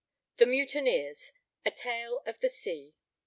THE MUTINEERS, A TALE OF THE SEA.